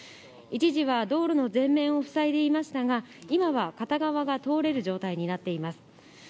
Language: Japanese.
一時は道路の全面を塞いでいましたが、今は片側が通れる状態になっています。